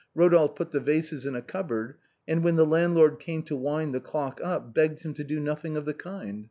Eodolphe put the vases in a cupboard, and when the landlord came to wind the clock up, begged him to do nothing of the kind.